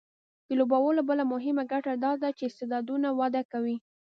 د لوبو بله مهمه ګټه دا ده چې استعدادونه وده کوي.